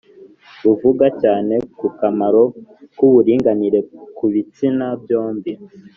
buvuga cyane ku kamaro k’uburinganire ku bitsina byombi